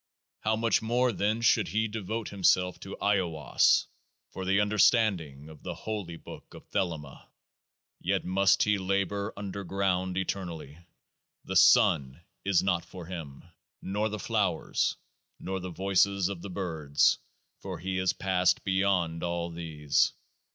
How much more then should He devote Him self to AIWASS for the understanding of the Holy Books of 0EAHMA? Yet must he labour underground eternally. The sun is not for him, nor the flowers, nor the voices of the birds ; for he is past beyond all these.